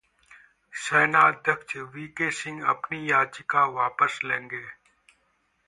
सेनाध्यक्ष वीके सिंह अपनी याचिका वापस लेंगे!